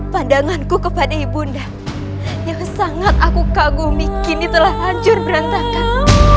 pandanganku kepada ibunda yang sangat aku kagumi kini telah hancur berantakan